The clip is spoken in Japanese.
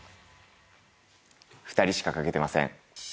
２人しか書けてません。